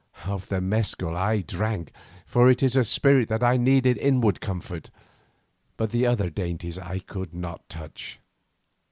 Of the mescal I drank, for it is a spirit and I needed inward comfort, but the other dainties I could not touch.